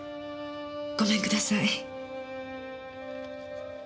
ごめんください。